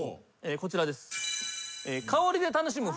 こちらです。